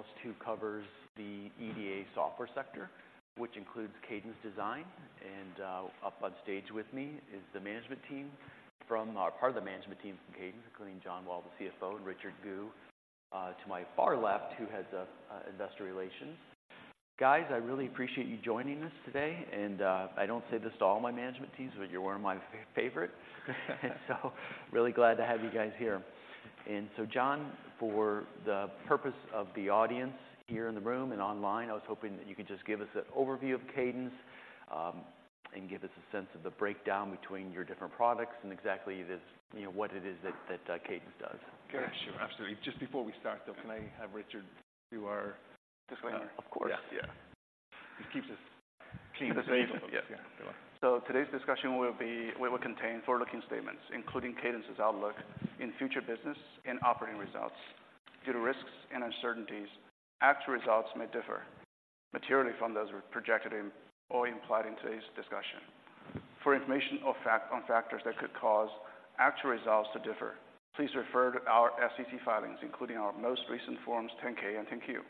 Analyst who covers the EDA software sector, which includes Cadence. And up on stage with me is the management team from part of the management team from Cadence, including John Wall, the CFO, and Richard Gu, to my far left, who heads up investor relations. Guys, I really appreciate you joining us today, and I don't say this to all my management teams, but you're one of my favorite. And so really glad to have you guys here. And so, John, for the purpose of the audience here in the room and online, I was hoping that you could just give us an overview of Cadence, and give us a sense of the breakdown between your different products and exactly it is, you know, what it is that Cadence does. Yeah, sure, absolutely. Just before we start, though, can I have Richard do our disclaimer? Of course. Yeah. Yeah. It keeps us clean- Yes. Yeah. So today's discussion will contain forward-looking statements, including Cadence's outlook in future business and operating results. Due to risks and uncertainties, actual results may differ materially from those projected in or implied in today's discussion. For information on factors that could cause actual results to differ, please refer to our SEC filings, including our most recent Forms 10-K and 10-Q.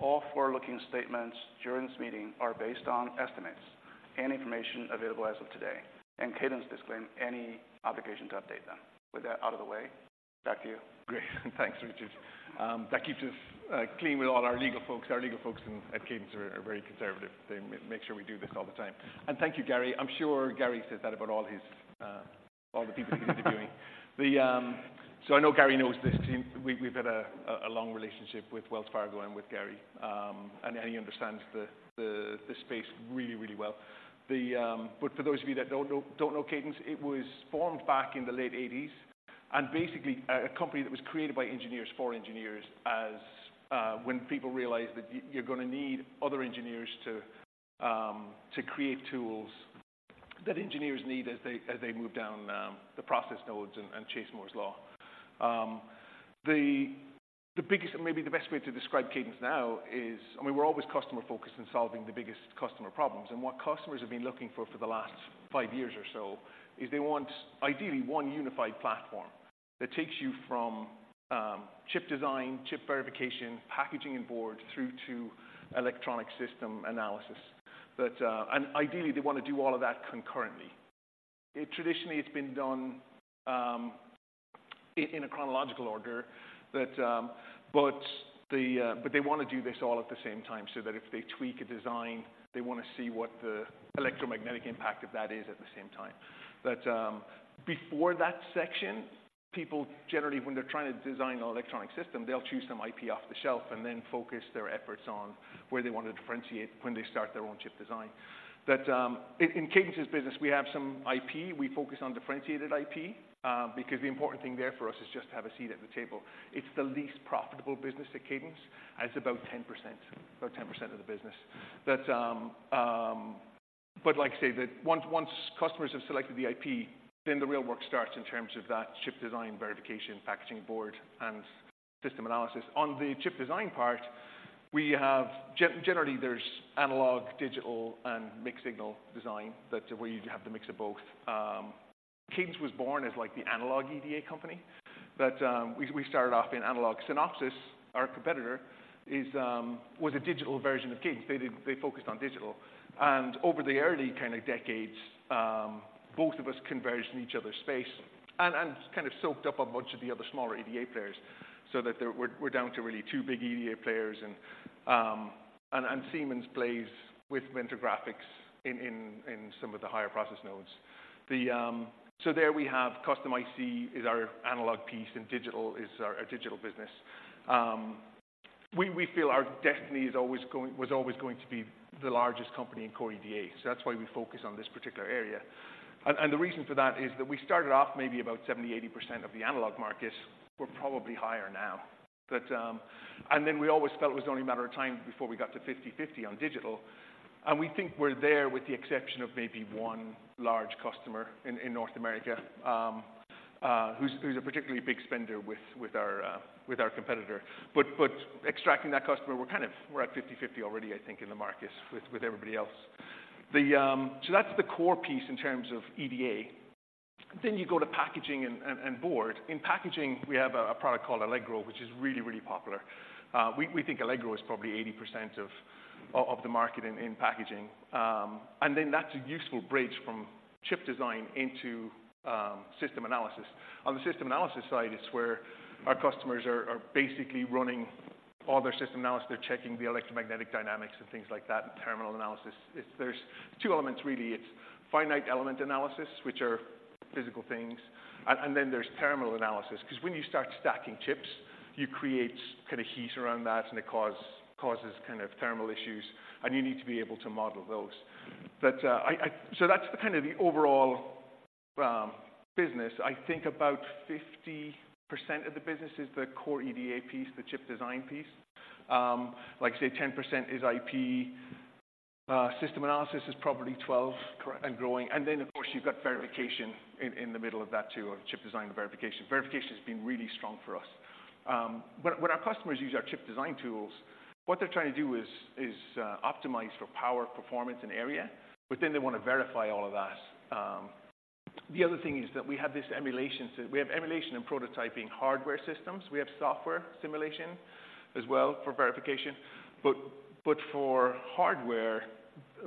All forward-looking statements during this meeting are based on estimates and information available as of today, and Cadence disclaims any obligation to update them. With that out of the way, back to you. Great, thanks, Richard. That keeps us clean with all our legal folks. Our legal folks at Cadence are very conservative. They make sure we do this all the time. Thank you, Gary. I'm sure Gary says that about all the people he's interviewing. I know Gary knows this team. We've had a long relationship with Wells Fargo and with Gary, and he understands the space really, really well. For those of you that don't know Cadence, it was formed back in the late 1980s, and basically a company that was created by engineers for engineers as when people realized that you're gonna need other engineers to create tools that engineers need as they move down the process nodes and chase Moore's Law. The biggest and maybe the best way to describe Cadence now is, I mean, we're always customer-focused in solving the biggest customer problems. And what customers have been looking for, for the last five years or so is they want, ideally, one unified platform that takes you from chip design, chip verification, packaging, and board through to electronic system analysis. But and ideally, they want to do all of that concurrently. It traditionally, it's been done in a chronological order, but they want to do this all at the same time so that if they tweak a design, they want to see what the electromagnetic impact of that is at the same time. But before that section, people generally, when they're trying to design an electronic system, they'll choose some IP off the shelf and then focus their efforts on where they want to differentiate when they start their own chip design. But in Cadence's business, we have some IP. We focus on differentiated IP, because the important thing there for us is just to have a seat at the table. It's the least profitable business to Cadence, and it's about 10%, about 10% of the business. But like I say, once customers have selected the IP, then the real work starts in terms of that chip design, verification, packaging, board, and system analysis. On the chip design part, we have generally, there's analog, digital, and mixed-signal design. That's where you have the mix of both. Cadence was born as like the analog EDA company, but we started off in analog Synopsys. Our competitor was a digital version of Cadence. They focused on digital. And over the early kind of decades, both of us converged in each other's space and kind of soaked up a bunch of the other smaller EDA players so that we're down to really two big EDA players, and Siemens plays with Mentor Graphics in some of the higher process nodes. The, so there we have custom IC is our analog piece, and digital is our, our digital business. We, we feel our destiny is always going—was always going to be the largest company in core EDA, so that's why we focus on this particular area. And, and the reason for that is that we started off maybe about 70-80% of the analog market. We're probably higher now. But, and then we always felt it was only a matter of time before we got to 50/50 on digital, and we think we're there, with the exception of maybe one large customer in North America, who's, who's a particularly big spender with, with our competitor. But, but extracting that customer, we're kind of, we're at 50/50 already, I think, in the market with, with everybody else. The... So that's the core piece in terms of EDA. Then you go to packaging and board. In packaging, we have a product called Allegro, which is really, really popular. We think Allegro is probably 80% of the market in packaging. And then that's a useful bridge from chip design into system analysis. On the system analysis side, it's where our customers are basically running all their system analysis. They're checking the electromagnetic dynamics and things like that, and thermal analysis. It's. There's two elements, really. It's finite element analysis, which are physical things, and then there's thermal analysis. 'Cause when you start stacking chips, you create kind of heat around that, and it causes kind of thermal issues, and you need to be able to model those. But, I... So that's the kind of the overall business. I think about 50% of the business is the core EDA piece, the chip design piece. Like I say, 10% is IP. System analysis is probably twelve- Correct. -and growing. And then, of course, you've got verification in the middle of that, too, of chip design and verification. Verification has been really strong for us. When our customers use our chip design tools, what they're trying to do is optimize for power, performance, and area, but then they want to verify all of that. The other thing is that we have emulation and prototyping hardware systems. We have software simulation as well for verification. But for hardware,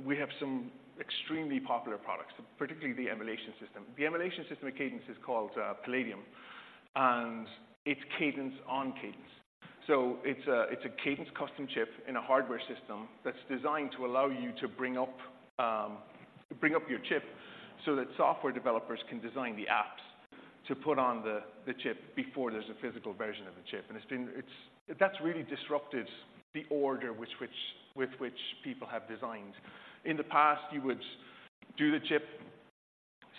we have some extremely popular products, particularly the emulation system. The emulation system at Cadence is called Palladium, and it's Cadence on Cadence. So it's a Cadence custom chip in a hardware system that's designed to allow you to bring up your chip so that software developers can design the apps to put on the chip before there's a physical version of the chip. And that's really disrupted the order with which people have designed. In the past, you would do the chip,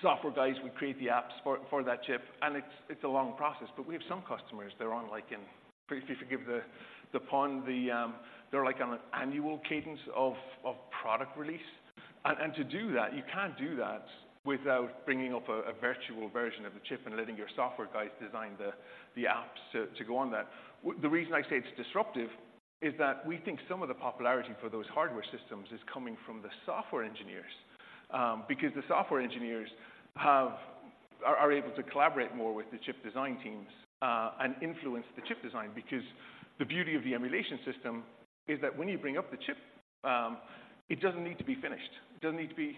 software guys would create the apps for that chip, and it's a long process. But we have some customers, they're on, like, if you forgive the pun, they're like on an annual cadence of product release. And to do that, you can't do that without bringing up a virtual version of the chip and letting your software guys design the apps to go on that. The reason I say it's disruptive is that we think some of the popularity for those hardware systems is coming from the software engineers. Because the software engineers are able to collaborate more with the chip design teams and influence the chip design. Because the beauty of the emulation system is that when you bring up the chip, it doesn't need to be finished, it doesn't need to be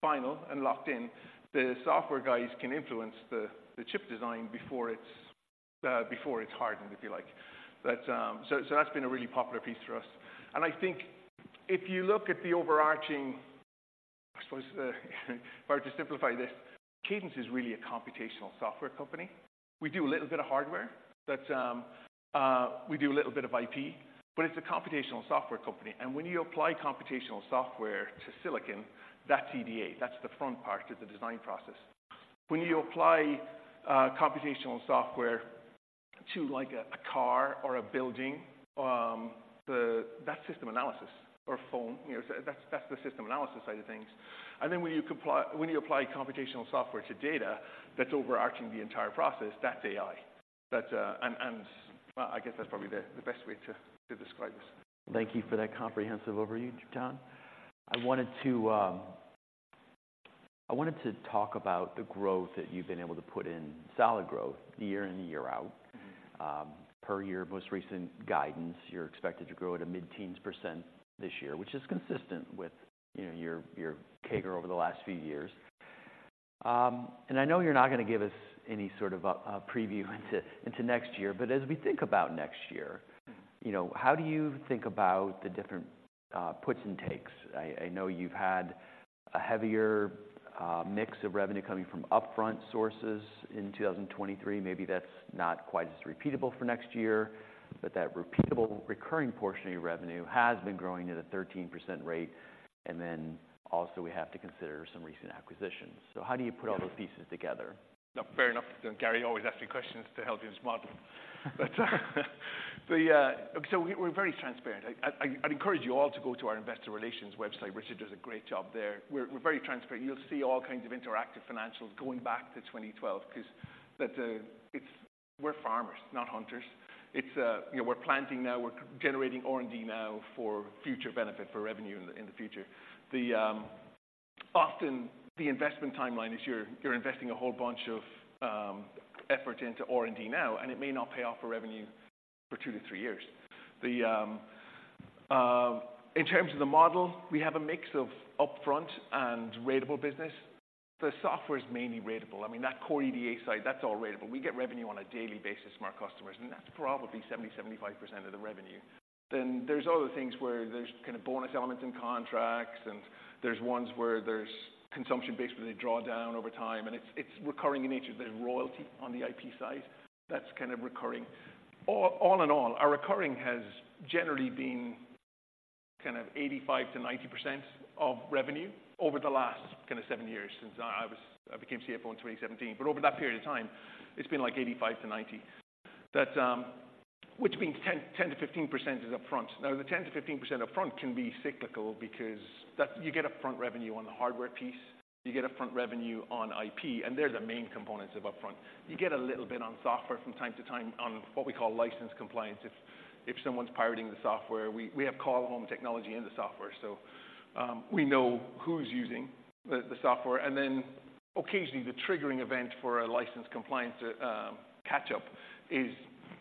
final and locked in. The software guys can influence the chip design before it's hardened, if you like. So that's been a really popular piece for us. And I think if you look at the overarching, I suppose, if I were to simplify this, Cadence is really a computational software company. We do a little bit of hardware, but, we do a little bit of IP, but it's a computational software company. And when you apply computational software to silicon, that's EDA, that's the front part of the design process. When you apply computational software to, like, a car or a building, that's system analysis or FEA, you know, so that's, that's the system analysis side of things. And then when you apply, when you apply computational software to data, that's overarching the entire process, that's AI. But, and, and, I guess that's probably the best way to describe this. Thank you for that comprehensive overview, John. I wanted to talk about the growth that you've been able to put in, solid growth, year in and year out. Mm-hmm. Per your most recent guidance, you're expected to grow at a mid-teens % this year, which is consistent with, you know, your CAGR over the last few years. And I know you're not gonna give us any sort of a preview into next year, but as we think about next year- Mm-hmm. You know, how do you think about the different puts and takes? I know you've had a heavier mix of revenue coming from upfront sources in 2023. Maybe that's not quite as repeatable for next year, but that repeatable, recurring portion of your revenue has been growing at a 13% rate, and then also we have to consider some recent acquisitions. So how do you put all those pieces together? No, fair enough. Gary always asks me questions to help him model. But, the... So we're very transparent. I'd encourage you all to go to our investor relations website, Richard does a great job there. We're very transparent. You'll see all kinds of interactive financials going back to 2012 because that, it's— we're farmers, not hunters. It's, you know, we're planting now, we're generating R&D now for future benefit, for revenue in the, in the future. The, often the investment timeline is you're investing a whole bunch of effort into R&D now, and it may not pay off for revenue for two to three years. The, in terms of the model, we have a mix of upfront and ratable business. The software is mainly ratable. I mean, that core EDA side, that's all ratable. We get revenue on a daily basis from our customers, and that's probably 70-75% of the revenue. Then there's other things where there's kind of bonus elements in contracts, and there's ones where there's consumption-based, where they draw down over time, and it's recurring in nature. There's royalty on the IP side, that's kind of recurring. All in all, our recurring has generally been kind of 85%-90% of revenue over the last kind of seven years since I became CFO in 2017. But over that period of time, it's been, like, 85%-90%. But which means 10-15% is upfront. Now, the 10-15% upfront can be cyclical because that... You get upfront revenue on the hardware piece, you get upfront revenue on IP, and they're the main components of upfront. You get a little bit on software from time to time on what we call license compliance, if someone's pirating the software, we have call home technology in the software, so we know who's using the software. And then occasionally, the triggering event for a license compliance catch-up is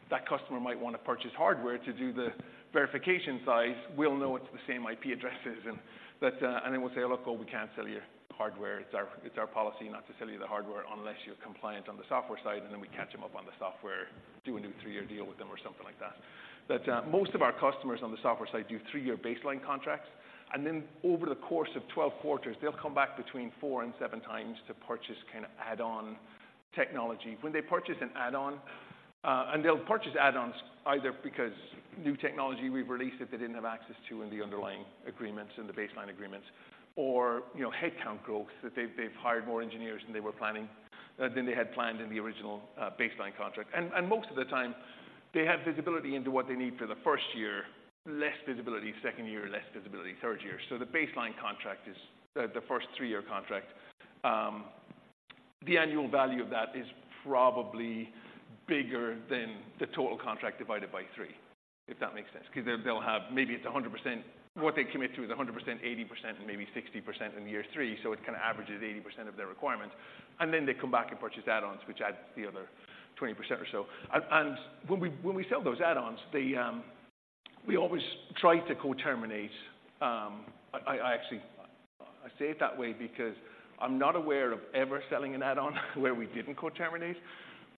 that customer might wanna purchase hardware to do the verification side. We'll know it's the same IP addresses, and but. And then we'll say, "Look, well, we can't sell you hardware. It's our policy not to sell you the hardware unless you're compliant on the software side." And then we catch them up on the software, do a new three-year deal with them or something like that. But, most of our customers on the software side do three-year baseline contracts, and then over the course of 12 quarters, they'll come back between four and seven times to purchase kind of add-on technology. When they purchase an add-on. And they'll purchase add-ons either because new technology we've released that they didn't have access to in the underlying agreements, in the baseline agreements, or, you know, headcount growth, that they've hired more engineers than they were planning, than they had planned in the original, baseline contract. And, most of the time, they have visibility into what they need for the first year, less visibility second year, less visibility third year. So the baseline contract is, the first three-year contract. The annual value of that is probably bigger than the total contract divided by three. If that makes sense, because they'll have maybe it's 100%. What they commit to is 100%, 80%, and maybe 60% in year 3, so it kind of averages 80% of their requirements, and then they come back and purchase add-ons, which adds the other 20% or so. And when we sell those add-ons, we always try to co-terminate. I actually say it that way because I'm not aware of ever selling an add-on where we didn't co-terminate,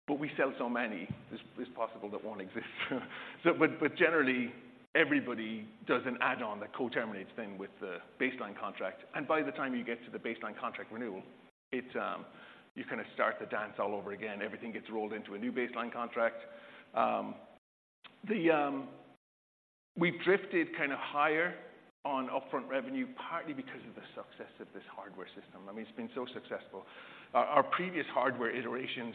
but we sell so many, it's possible that one exists. But generally, everybody does an add-on that co-terminates then with the baseline contract, and by the time you get to the baseline contract renewal, you kind of start the dance all over again. Everything gets rolled into a new baseline contract. We've drifted kind of higher on upfront revenue, partly because of the success of this hardware system. I mean, it's been so successful. Our previous hardware iterations,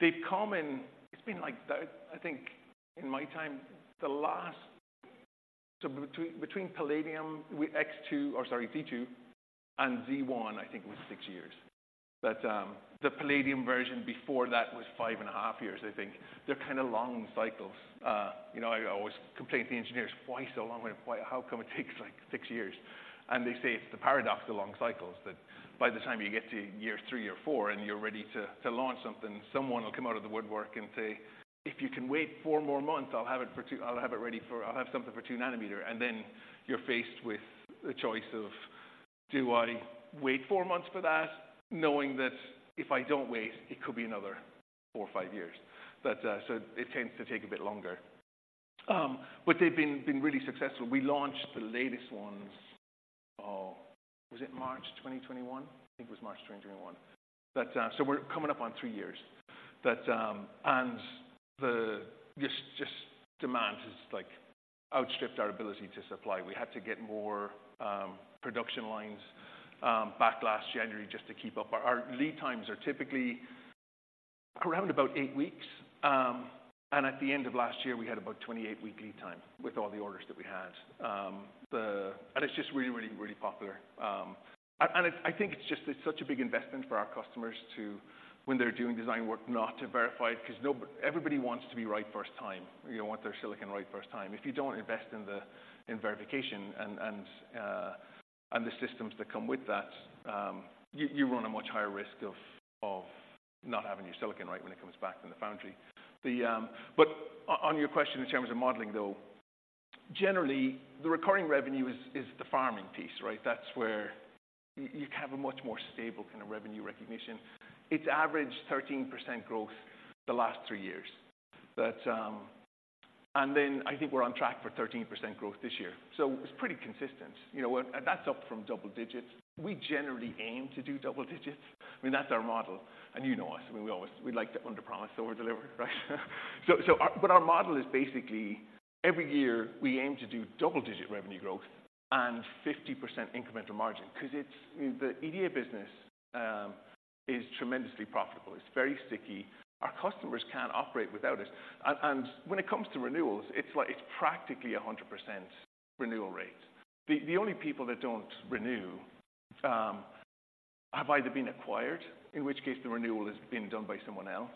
they've come in— It's been like the... I think in my time, the last, so between Palladium XP2, or sorry, Z2 and Z1, I think it was six years. But the Palladium version before that was five and a half years, I think. They're kind of long cycles. You know, I always complain to the engineers, "Why so long? How come it takes, like, six years?" And they say it's the paradox of long cycles, that by the time you get to year three or four and you're ready to launch something, someone will come out of the woodwork and say, "If you can wait four more months, I'll have it for two... I'll have it ready for, I'll have something for two nanometer." And then you're faced with a choice of, do I wait four months for that, knowing that if I don't wait, it could be another four or five years? But so it tends to take a bit longer. But they've been really successful. We launched the latest ones, oh, was it March 2021? I think it was March 2021. But so we're coming up on three years. The demand has just, like, outstripped our ability to supply. We had to get more production lines back last January just to keep up. Our lead times are typically around about 8 weeks, and at the end of last year, we had about 28-week lead time with all the orders that we had. It's just really, really, really popular. It's, I think it's just, it's such a big investment for our customers to, when they're doing design work, not to verify it, 'cause nobody wants to be right first time. They want their silicon right first time. If you don't invest in verification and the systems that come with that, you run a much higher risk of not having your silicon right when it comes back from the foundry. But on your question in terms of modeling, though, generally, the recurring revenue is the farming piece, right? That's where you have a much more stable kind of revenue recognition. It's averaged 13% growth the last three years. But then I think we're on track for 13% growth this year, so it's pretty consistent. You know, and that's up from double digits. We generally aim to do double digits. I mean, that's our model. And you know us, we always like to underpromise or overdeliver, right? But our model is basically every year, we aim to do double-digit revenue growth and 50% incremental margin, 'cause it's the EDA business is tremendously profitable. It's very sticky. Our customers can't operate without us. And when it comes to renewals, it's like it's practically a 100% renewal rate. The only people that don't renew have either been acquired, in which case the renewal has been done by someone else,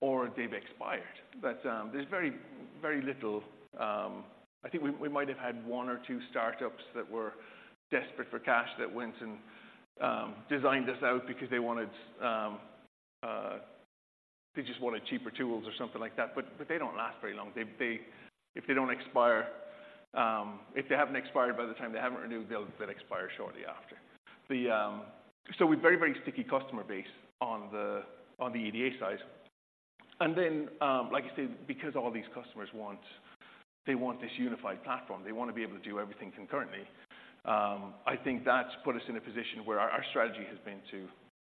or they've expired. But there's very, very little. I think we might have had one or two startups that were desperate for cash that went and designed us out because they just wanted cheaper tools or something like that. But they don't last very long. If they don't expire, if they haven't expired by the time they haven't renewed, they'll expire shortly after. So we're very, very sticky customer base on the EDA side. And then, like I said, because all these customers want, they want this unified platform, they wanna be able to do everything concurrently, I think that's put us in a position where our strategy has been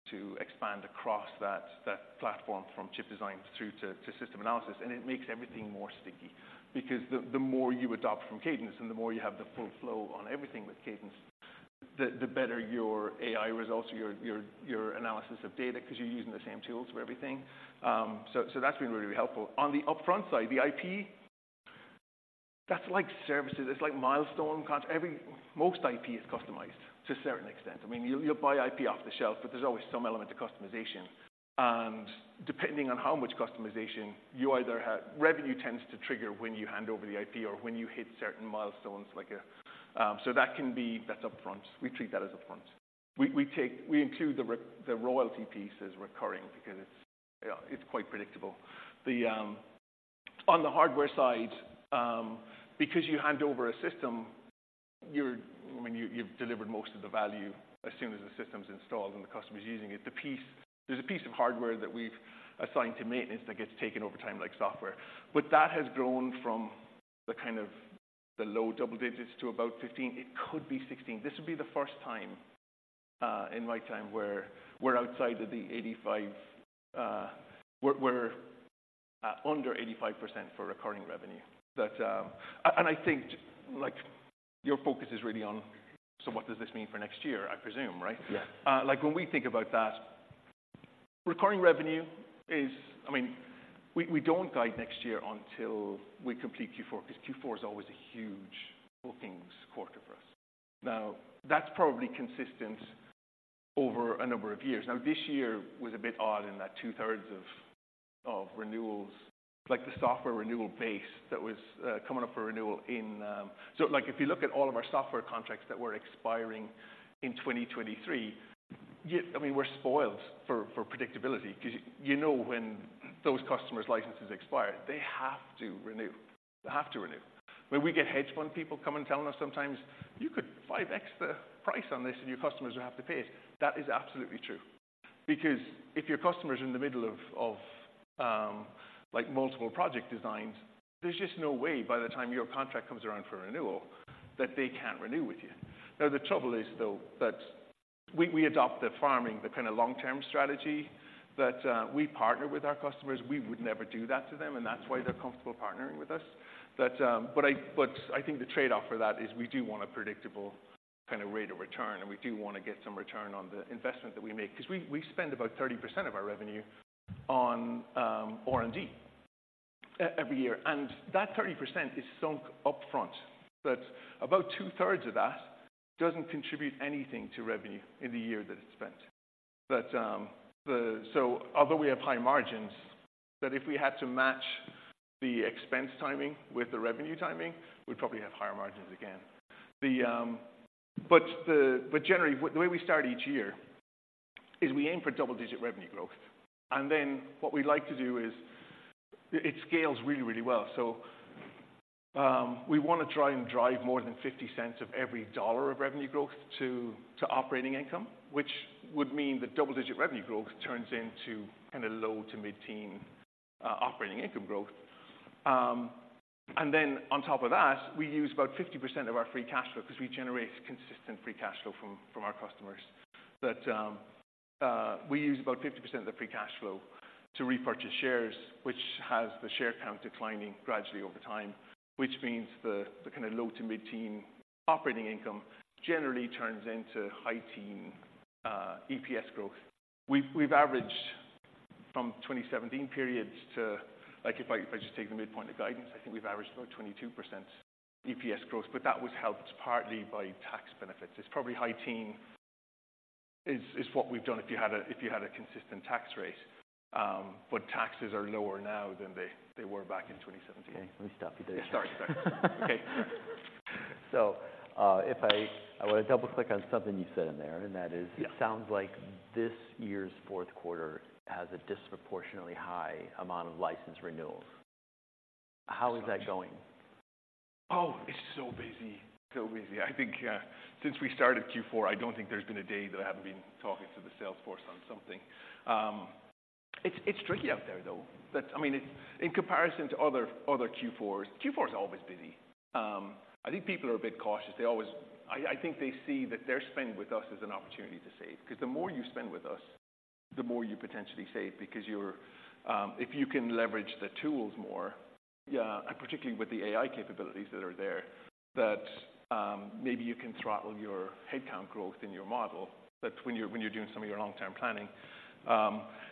to expand across that platform from chip design through to system analysis. And it makes everything more sticky, because the more you adopt from Cadence and the more you have the full flow on everything with Cadence, the better your AI results or your analysis of data, 'cause you're using the same tools for everything. So that's been really helpful. On the upfront side, the IP, that's like services, it's like milestone contract. Most IP is customized to a certain extent. I mean, you'll buy IP off the shelf, but there's always some element of customization. And depending on how much customization, you either have... Revenue tends to trigger when you hand over the IP or when you hit certain milestones, like a, so that can be, that's upfront. We treat that as upfront. We take, we include the royalty piece as recurring because it's, it's quite predictable. On the hardware side, because you hand over a system, you're, I mean, you, you've delivered most of the value as soon as the system's installed and the customer's using it. There's a piece of hardware that we've assigned to maintenance that gets taken over time, like software, but that has grown from the kind of the low double digits to about 15. It could be 16. This would be the first time in my time, where we're outside of the 85, we're under 85% for recurring revenue. But, and I think, like, your focus is really on, so what does this mean for next year, I presume, right? Yeah. Like, when we think about that, recurring revenue is, I mean, we don't guide next year until we complete Q4, 'cause Q4 is always a huge bookings quarter for us. Now, that's probably consistent over a number of years. Now, this year was a bit odd in that two-thirds of renewals, like the software renewal base that was coming up for renewal in. So like if you look at all of our software contracts that were expiring in 2023, I mean, we're spoiled for predictability because you know when those customers' licenses expire, they have to renew. They have to renew. When we get hedge fund people coming and telling us sometimes, "You could 5x the price on this, and your customers would have to pay it," that is absolutely true. Because if your customer's in the middle of, of, like, multiple project designs, there's just no way by the time your contract comes around for renewal, that they can't renew with you. Now, the trouble is, though, that we, we adopt the farming, the kind of long-term strategy, that, we partner with our customers. We would never do that to them, and that's why they're comfortable partnering with us. But, but I-- But I think the trade-off for that is we do want a predictable kind of rate of return, and we do want to get some return on the investment that we make. 'Cause we, we spend about 30% of our revenue on, R&D every year, and that 30% is sunk upfront. That, about two-thirds of that doesn't contribute anything to revenue in the year that it's spent. But, the... So although we have high margins, that if we had to match the expense timing with the revenue timing, we'd probably have higher margins again. But generally, the way we start each year is we aim for double-digit revenue growth, and then what we like to do is, it scales really, really well. So, we want to try and drive more than 50 cents of every dollar of revenue growth to operating income, which would mean that double-digit revenue growth turns into kind of low to mid-teen operating income growth. And then on top of that, we use about 50% of our free cash flow, 'cause we generate consistent free cash flow from our customers. But, we use about 50% of the free cash flow to repurchase shares, which has the share count declining gradually over time, which means the kind of low- to mid-teen operating income generally turns into high-teen EPS growth. We've averaged from 2017 periods to. If I just take the midpoint of guidance, I think we've averaged about 22% EPS growth, but that was helped partly by tax benefits. It's probably high-teen is what we've done if you had a consistent tax rate. But taxes are lower now than they were back in 2017. Okay, let me stop you there. Sorry. Sorry. Okay. So, if I wanna double-click on something you said in there, and that is- Yeah. It sounds like this year's fourth quarter has a disproportionately high amount of license renewals. How is that going? Oh, it's so busy. So busy. I think, since we started Q4, I don't think there's been a day that I haven't been talking to the sales force on something. It's, it's tricky out there, though. I mean, in comparison to other Q4s, Q4 is always busy. I think people are a bit cautious. They always. I think they see that their spend with us as an opportunity to save. 'Cause the more you spend with us, the more you potentially save because you're, if you can leverage the tools more, yeah, and particularly with the AI capabilities that are there, maybe you can throttle your headcount growth in your model. That when you're doing some of your long-term planning.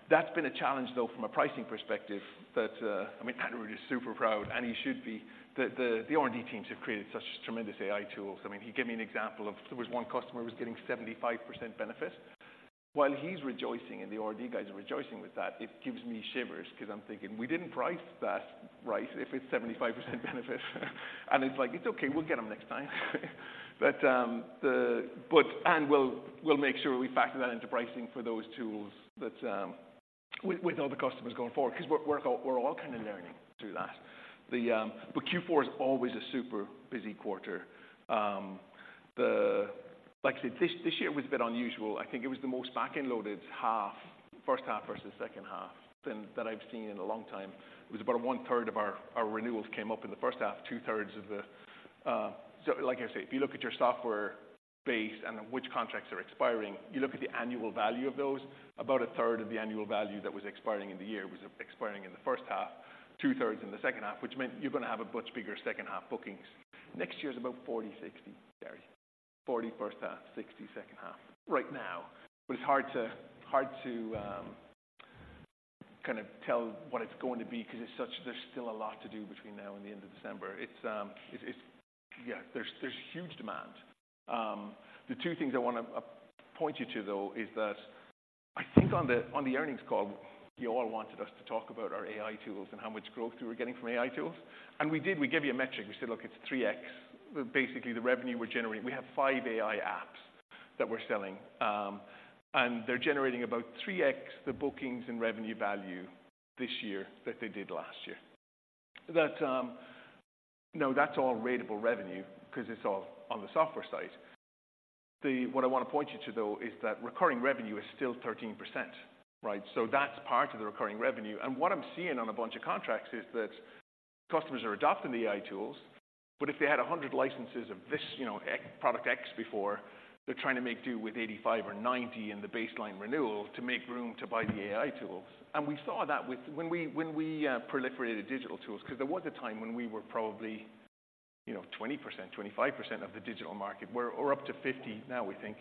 That's been a challenge, though, from a pricing perspective that, I mean, Anirudh is super proud, and he should be. The R&D teams have created such tremendous AI tools. I mean, he gave me an example of, there was one customer who was getting 75% benefit. While he's rejoicing, and the R&D guys are rejoicing with that, it gives me shivers 'cause I'm thinking, "We didn't price that right if it's 75% benefit." And it's like, "It's okay. We'll get them next time." But... And we'll make sure we factor that into pricing for those tools that, with all the customers going forward, 'cause we're all kind of learning through that. But Q4 is always a super busy quarter. Like I said, this year was a bit unusual. I think it was the most back-end loaded half, first half versus second half, than that I've seen in a long time. It was about one-third of our renewals came up in the first half, two-thirds of the. So like I say, if you look at your software base and which contracts are expiring, you look at the annual value of those, about a third of the annual value that was expiring in the year was expiring in the first half, two-thirds in the second half, which meant you're gonna have a much bigger second half bookings. Next year is about 40, 60, Gary. 40 first half, 60 second half, right now. But it's hard to kind of tell what it's going to be because it's such... There's still a lot to do between now and the end of December. It's yeah, there's huge demand. The two things I wanna point you to, though, is that I think on the earnings call, you all wanted us to talk about our AI tools and how much growth we were getting from AI tools. And we did. We gave you a metric. We said, "Look, it's 3x." Basically, the revenue we're generating. We have five AI apps that we're selling, and they're generating about 3x the bookings and revenue value this year than they did last year. That now that's all ratable revenue 'cause it's all on the software side. What I wanna point you to, though, is that recurring revenue is still 13%, right? So that's part of the recurring revenue. And what I'm seeing on a bunch of contracts is that customers are adopting the AI tools, but if they had 100 licenses of this, you know, ex- product X before, they're trying to make do with 85 or 90 in the baseline renewal to make room to buy the AI tools. And we saw that with... When we proliferated digital tools, 'cause there was a time when we were probably, you know, 20%, 25% of the digital market. We're up to 50% now, we think.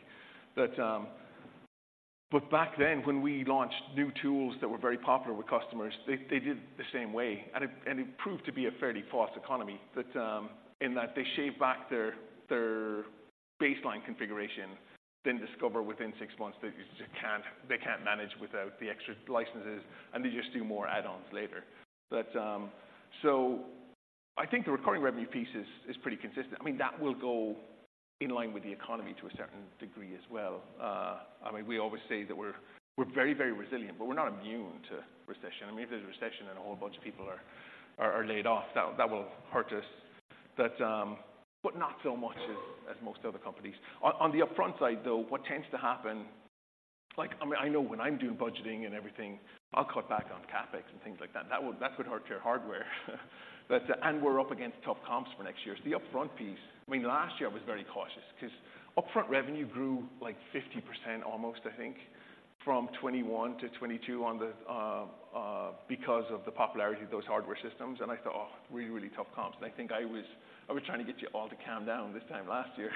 But back then, when we launched new tools that were very popular with customers, they did it the same way, and it proved to be a fairly false economy. But, in that they shave back their baseline configuration, then discover within six months that they just can't manage without the extra licenses, and they just do more add-ons later. But, so I think the recurring revenue piece is pretty consistent. I mean, that will go in line with the economy to a certain degree as well. I mean, we always say that we're very resilient, but we're not immune to recession. I mean, if there's a recession and a whole bunch of people are laid off, that will hurt us. But, but not so much as most other companies. On the upfront side, though, what tends to happen, like, I mean, I know when I'm doing budgeting and everything, I'll cut back on CapEx and things like that. That would, that could hurt your hardware. But, and we're up against tough comps for next year. So the upfront piece, I mean, last year was very cautious 'cause upfront revenue grew, like, 50% almost, I think, from 2021 to 2022 on the, because of the popularity of those hardware systems. And I thought, "Oh, really, really tough comps." And I think I was, I was trying to get you all to calm down this time last year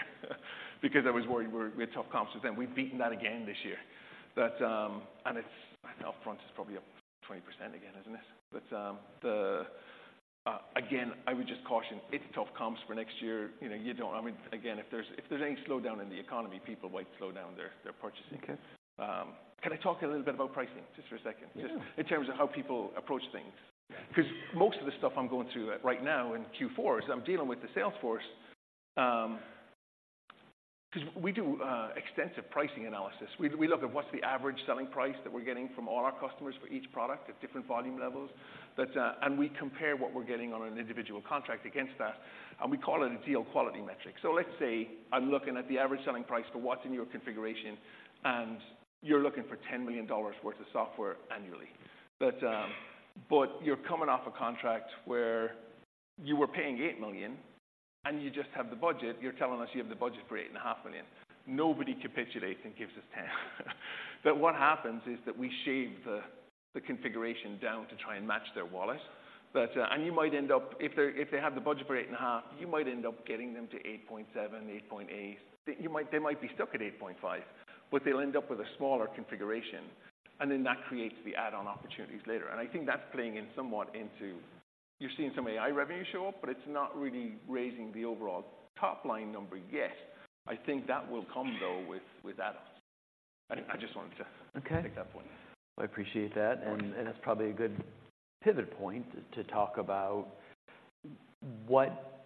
because I was worried we had tough comps, and we've beaten that again this year. But, and it's, I think upfront is probably up 20% again, isn't it? But, again, I would just caution, it's tough comps for next year. You know, you don't—I mean, again, if there's, if there's any slowdown in the economy, people might slow down their, their purchasing. Okay. Can I talk a little bit about pricing, just for a second? Yeah. Just in terms of how people approach things. Yeah. 'Cause most of the stuff I'm going through right now in Q4 is I'm dealing with the sales force. 'Cause we do extensive pricing analysis. We look at what's the average selling price that we're getting from all our customers for each product at different volume levels. But and we compare what we're getting on an individual contract against that, and we call it a deal quality metric. So let's say I'm looking at the average selling price for what's in your configuration, and you're looking for $10 million worth of software annually. But but you're coming off a contract where you were paying $8 million, and you just have the budget. You're telling us you have the budget for $8.5 million. Nobody capitulates and gives us $10 million. But what happens is that we shave the configuration down to try and match their wallet. But... And you might end up, if they have the budget for $8.5, you might end up getting them to $8.7, $8.8. They might be stuck at $8.5, but they'll end up with a smaller configuration, and then that creates the add-on opportunities later. And I think that's playing in somewhat into... You're seeing some AI revenue show up, but it's not really raising the overall top-line number yet. I think that will come, though, with add-ons. I just wanted to- Okay. Make that point. I appreciate that. Sure. And that's probably a good pivot point to talk about what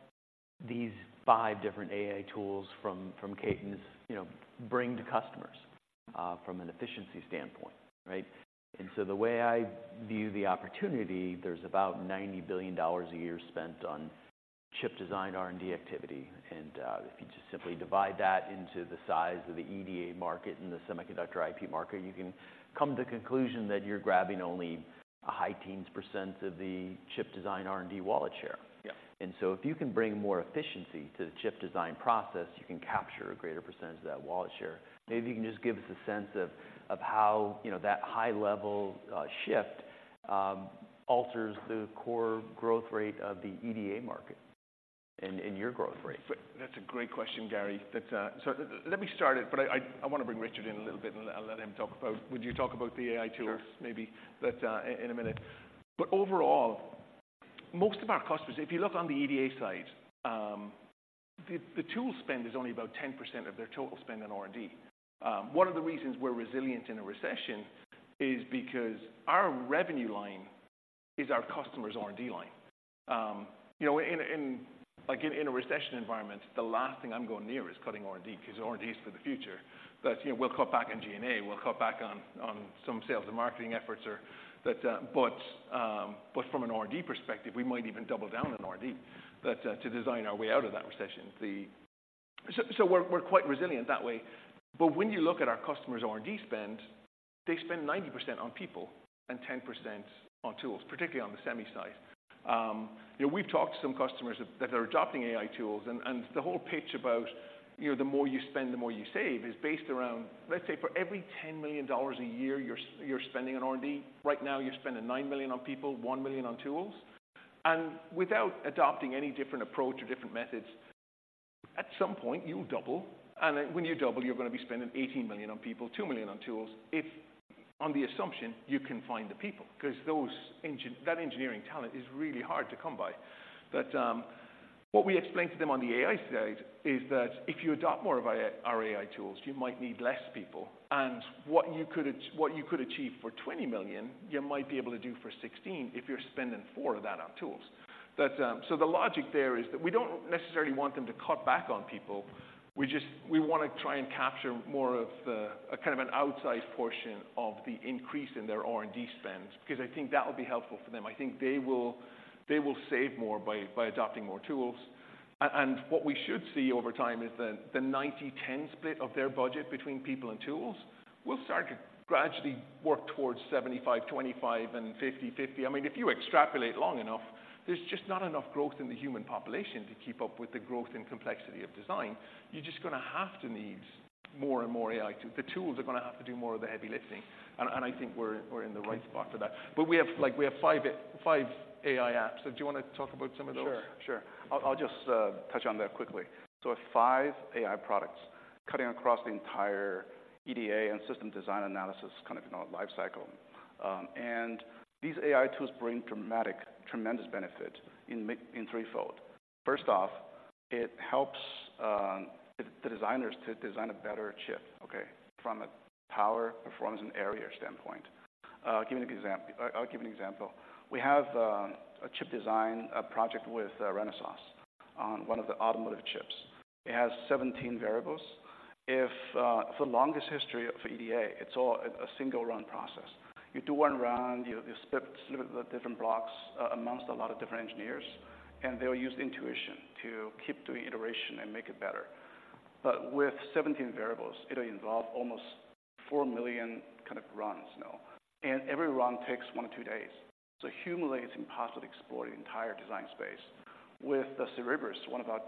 these five different AI tools from Cadence, you know, bring to customers from an efficiency standpoint, right? And so the way I view the opportunity, there's about $90 billion a year spent on chip design R&D activity. And if you just simply divide that into the size of the EDA market and the semiconductor IP market, you can come to the conclusion that you're grabbing only a high teens% of the chip design R&D wallet share. Yeah. And so if you can bring more efficiency to the chip design process, you can capture a greater percentage of that wallet share. Maybe you can just give us a sense of how, you know, that high level shift alters the core growth rate of the EDA market and your growth rate. But that's a great question, Gary. That... So let me start it, but I wanna bring Richard in a little bit, and I'll let him talk about... Would you talk about the AI tools- Sure. Maybe that in a minute. But overall, most of our customers, if you look on the EDA side, the tool spend is only about 10% of their total spend on R&D. One of the reasons we're resilient in a recession is because our revenue line is our customer's R&D line. You know, in a recession environment, the last thing I'm going near is cutting R&D, because R&D is for the future. But, you know, we'll cut back on G&A, we'll cut back on some sales and marketing efforts or... But from an R&D perspective, we might even double down on R&D, but to design our way out of that recession, the... So we're quite resilient that way. But when you look at our customers' R&D spend, they spend 90% on people and 10% on tools, particularly on the semi side. You know, we've talked to some customers that are adopting AI tools, and the whole pitch about, you know, the more you spend, the more you save, is based around, let's say, for every $10 million a year you're spending on R&D, right now, you're spending $9 million on people, $1 million on tools. And without adopting any different approach or different methods, at some point you'll double, and then when you double, you're gonna be spending $18 million on people, $2 million on tools, if on the assumption you can find the people. 'Cause that engineering talent is really hard to come by. But what we explain to them on the AI side is that if you adopt more of our, our AI tools, you might need less people. And what you could achieve for $20 million, you might be able to do for $16 million if you're spending $4 million of that on tools. But so the logic there is that we don't necessarily want them to cut back on people, we just we wanna try and capture more of the, a kind of an outsized portion of the increase in their R&D spend, because I think that will be helpful for them. I think they will, they will save more by, by adopting more tools. And what we should see over time is the, the 90/10 split of their budget between people and tools will start to gradually work towards 75/25, and 50/50. I mean, if you extrapolate long enough, there's just not enough growth in the human population to keep up with the growth and complexity of design. You're just gonna have to need more and more AI to... The tools are gonna have to do more of the heavy lifting, and, and I think we're, we're in the right spot for that. But we have like, we have five, five AI apps. So do you wanna talk about some of those? Sure, sure. I'll just touch on that quickly. So five AI products cutting across the entire EDA and system design analysis, kind of, you know, life cycle. And these AI tools bring dramatic, tremendous benefit in threefold. First off, it helps the designers to design a better chip, okay, from a power, performance, and area standpoint. I'll give you an example. We have a chip design project with Renesas on one of the automotive chips. It has 17 variables. For the longest history of EDA, it's all a single-run process. You do one round, you split the different blocks amongst a lot of different engineers, and they'll use intuition to keep doing iteration and make it better. But with 17 variables, it'll involve almost four million kind of runs, you know, and every run takes one to two days. So humanly, it's impossible to explore the entire design space. With the Cerebrus, one of our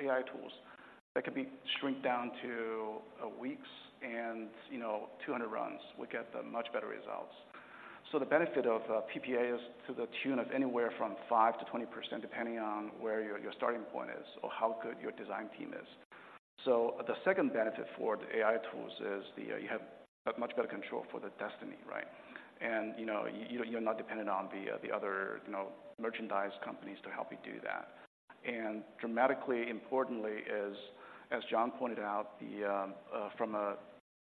AI tools, that could be shrink down to weeks and, you know, 200 runs, we get the much better results. So the benefit of PPA is to the tune of anywhere from 5%-20%, depending on where your starting point is or how good your design team is. So the second benefit for the AI tools is you have much better control for the destiny, right? And, you know, you, you're not dependent on the other, you know, semiconductor companies to help you do that. And dramatically, importantly, is, as John pointed out, the from a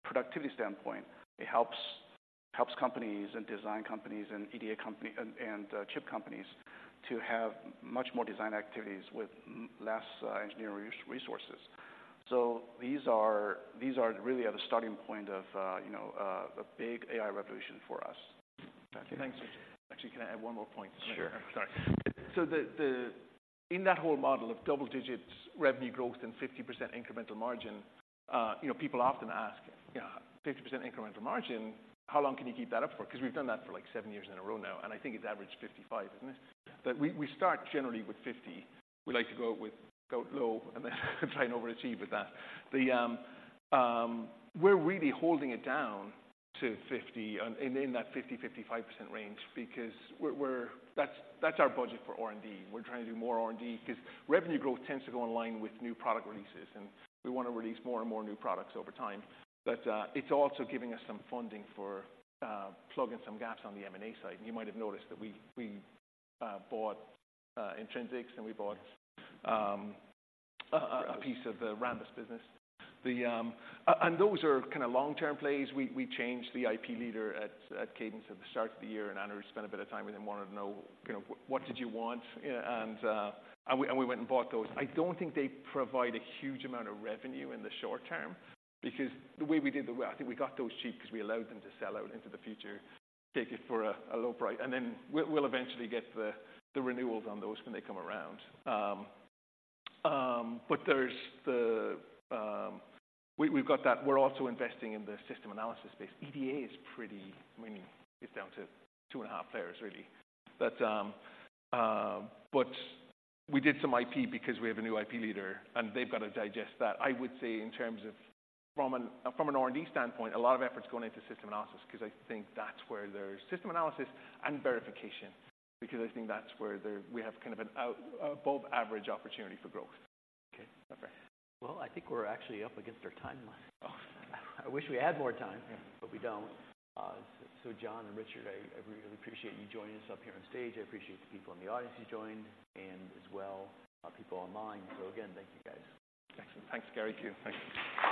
productivity standpoint, it helps companies and design companies and EDA company and chip companies to have much more design activities with much less engineering resources. So these are really at the starting point of, you know, a big AI revolution for us. Thanks, Richard. Actually, can I add one more point? Sure. Sorry. So the in that whole model of double-digit revenue growth and 50% incremental margin, you know, people often ask, "Yeah, 50% incremental margin, how long can you keep that up for?" 'Cause we've done that for, like, seven years in a row now, and I think it's averaged 55, isn't it? But we start generally with 50. We like to go out with, go low and then try and overachieve with that. We're really holding it down to 50 in that 50-55% range, because that's our budget for R&D. We're trying to do more R&D 'cause revenue growth tends to go in line with new product releases, and we want to release more and more new products over time. But, it's also giving us some funding for plugging some gaps on the M&A side. And you might have noticed that we bought Intrinsix, and we bought a piece of the Rambus business. And those are kind of long-term plays. We changed the IP leader at Cadence at the start of the year, and Anirudh spent a bit of time with him, wanted to know, you know, "What did you want?" And we went and bought those. I don't think they provide a huge amount of revenue in the short term because the way we did the—I think we got those cheap 'cause we allowed them to sell out into the future, take it for a low price, and then we'll eventually get the renewals on those when they come around. But there's that. We've got that. We're also investing in the system analysis space. EDA is pretty, I mean, it's down to two and a half players, really. But we did some IP because we have a new IP leader, and they've got to digest that. I would say in terms of, from an R&D standpoint, a lot of effort's going into system analysis, 'cause I think that's where there's system analysis and verification, because I think that's where there we have kind of an out above average opportunity for growth. Okay. Well, I think we're actually up against our timeline. Oh. I wish we had more time- Yeah. But we don't. So, John and Richard, I really appreciate you joining us up here on stage. I appreciate the people in the audience who joined, and as well, people online. So again, thank you, guys. Excellent. Thanks, Gary, to you. Thank you.